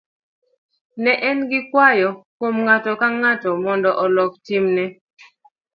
ne en gi kwayo kuom ng'ato ka ng'ato mondo olok timne